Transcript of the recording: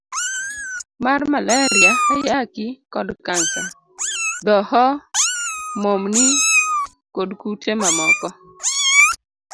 C. mar Maleria, Ayaki, kod kansa D. Dhoho, momni, kod kute mamoko.